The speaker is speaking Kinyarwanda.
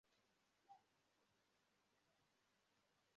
Umuhungu muto yambara amajipo